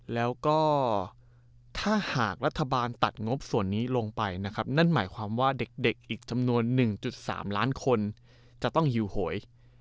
แล้วก็ถ้าหากรัฐบาลตัดงบส่วนนี้ลงไปนะครับนั่นหมายความว่าเด็กอีกจำนวน๑๓ล้านคนจะต้องหิวโหย